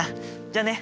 じゃあね。